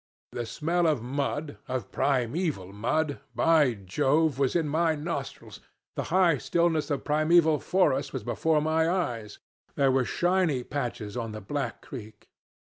The smell of mud, of primeval mud, by Jove! was in my nostrils, the high stillness of primeval forest was before my eyes; there were shiny patches on the black creek.